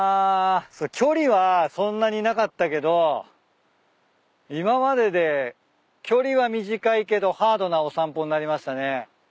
距離はそんなになかったけど今までで距離は短いけどハードなお散歩になりましたね。